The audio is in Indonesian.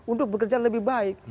untuk bekerja lebih baik